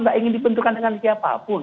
saya ingin dibenturkan dengan siapapun